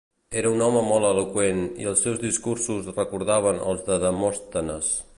Era un home molt eloqüent i els seus discursos recordaven els de Demòstenes.